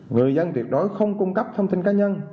người dân tuyệt đối không cung cấp thông tin cá nhân